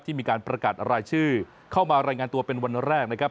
มีการประกาศรายชื่อเข้ามารายงานตัวเป็นวันแรกนะครับ